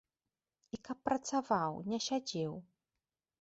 І каб працаваў, не сядзеў.